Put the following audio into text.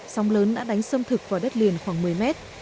sóng lớn đã đánh xâm thực vào đất liền khoảng một mươi mét